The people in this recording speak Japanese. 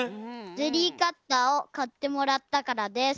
ゼリーカッターをかってもらったからです。